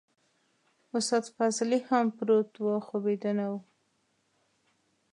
استاد فضلي هم پروت و خو بيده نه و.